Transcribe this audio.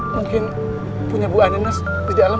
mungkin punya bu anden mas di dalam